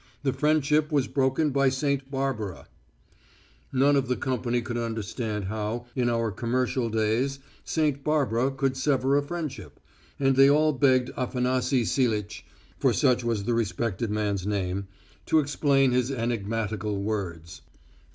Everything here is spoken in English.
The friendship was broken by St. Barbara." None of the company could understand how, in our commercial days, St. Barbara could sever a friendship, and they all begged Afanasy Silitch for such was the respected man's name to explain his enigmatical words.